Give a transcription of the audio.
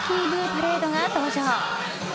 パレードが登場。